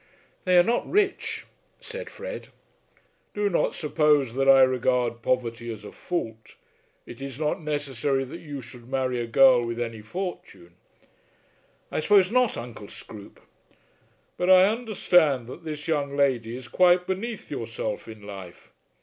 "They are not rich," said Fred. "Do not suppose that I regard poverty as a fault. It is not necessary that you should marry a girl with any fortune." "I suppose not, Uncle Scroope." "But I understand that this young lady is quite beneath yourself in life.